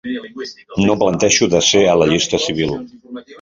No em plantejo de ser a la llista civil